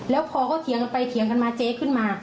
แล้วพอเขาเถียงกันไปเถียงกันมาเจ๊ขึ้นมา